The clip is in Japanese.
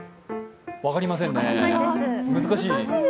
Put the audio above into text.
分かりませんね、難しい。